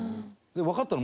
わかったの？